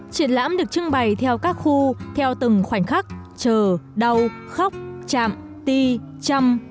triển lãm được trưng bày theo các khu theo từng khoảnh khắc chờ đau khóc chạm ti chăm